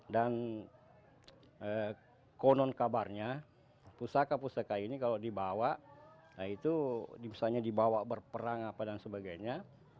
dan konon kabarnya pusaka pusaka ini kalau dibawa misalnya dibawa berperang dan sebagainya